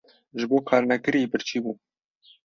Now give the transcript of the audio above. ji bo karnekirî birçî bûm.